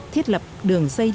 thiết lập đường xây dựng